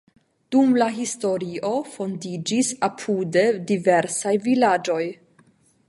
Dum la historio fondiĝis apude diversaj vilaĝoj.